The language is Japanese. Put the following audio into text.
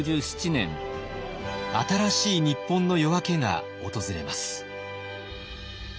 新しい日本の夜明けが訪れます。